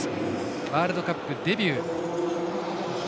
ワールドカップデビュー。